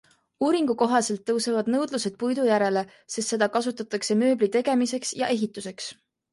Uuringu kohaselt tõusevad nõudlused puidu järele, sest seda kasutatakse mööbli tegemiseks ja ehituseks.